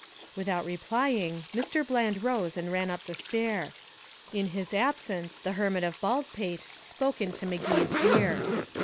Without replying, Mr. Bland rose and ran up the stair. In his absence the Hermit of Baldpate spoke into Magee's ear.